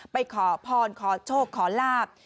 ไปขอพรขอโชคขอลาบ